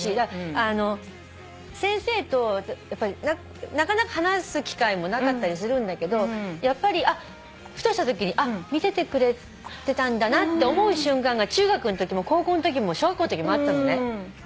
先生となかなか話す機会もなかったりするんだけどやっぱりふとしたときにあっ見ててくれてたんだなって思う瞬間が中学のときも高校のときも小学校のときもあったのね。